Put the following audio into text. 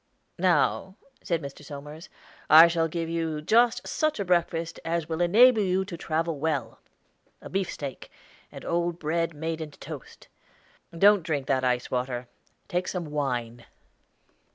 "Now," said Mr. Somers, "I shall give you just such a breakfast as will enable you to travel well a beefsteak, and old bread made into toast. Don't drink that ice water; take some wine."